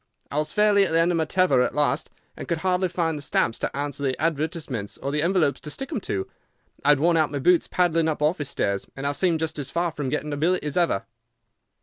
I was fairly at the end of my tether at last, and could hardly find the stamps to answer the advertisements or the envelopes to stick them to. I had worn out my boots paddling up office stairs, and I seemed just as far from getting a billet as ever.